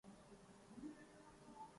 جبینِ سجدہ فشاں تجھ سے‘ آستاں تجھ سے